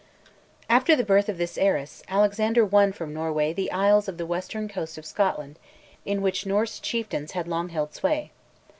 After the birth of this heiress, Alexander won from Norway the isles of the western coast of Scotland in which Norse chieftains had long held sway.